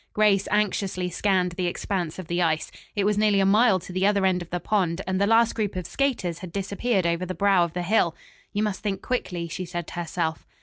Grace anxiously scanned the expanse of the ice. It was nearly a mile to the other end of the pond, and the last group of skaters had disappeared over the brow of the hill. "You must think quickly," she said to herself.